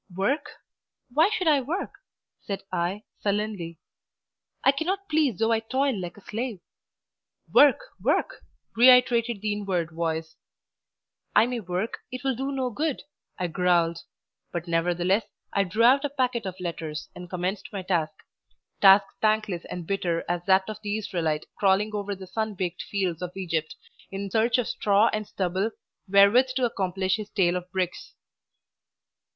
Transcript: "Work? why should I work?" said I sullenly: "I cannot please though I toil like a slave." "Work, work!" reiterated the inward voice. "I may work, it will do no good," I growled; but nevertheless I drew out a packet of letters and commenced my task task thankless and bitter as that of the Israelite crawling over the sun baked fields of Egypt in search of straw and stubble wherewith to accomplish his tale of bricks.